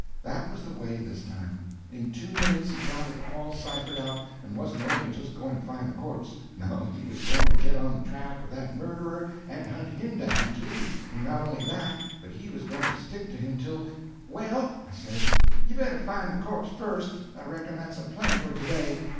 That was the way this time. In two minutes he had got it all ciphered out, and wasn't only just going to find the corpse—no, he was going to get on the track of that murderer and hunt him down, too; and not only that, but he was going to stick to him till—"Well," I says, "you better find the corpse first; I reckon that's a plenty for to day.